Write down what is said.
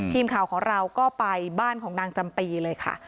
ทีมข่าวของเราก็ไปบ้านของนางจำปีเลยค่ะ